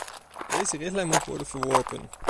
Deze richtlijn moet worden verworpen.